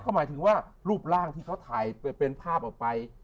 ก็หมายถึงว่ารูปร่างที่เขาถ่ายเป็นภาพออกไป